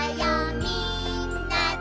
みんなで」